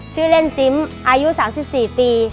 ชื่อเล่นซิมอายุ๓๔ปี